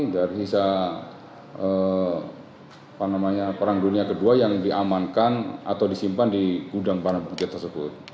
biar bisa apa namanya perang dunia kedua yang diamankan atau disimpan di gudang barang bukti tersebut